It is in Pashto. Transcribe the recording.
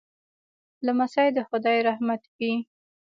لمسی د خدای رحمت وي.